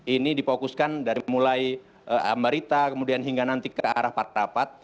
ini difokuskan dari mulai ambarita kemudian hingga nanti ke arah partapat